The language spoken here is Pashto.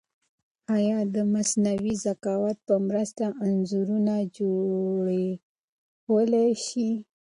ایا د مصنوعي ذکاوت په مرسته انځورونه جوړولای شئ؟